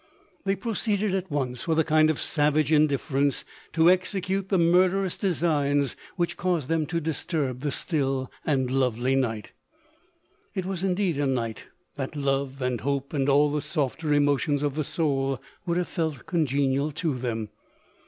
They proceeded at once, with a kind of savage indifference, to execute the murderous designs which caused them to disturb the still and lovelv night. It was indeed a night, that love, and hope, and all the softer emotions of the soul, would have felt congenial to them.